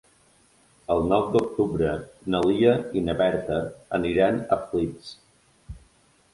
El nou d'octubre na Lia i na Berta aniran a Flix.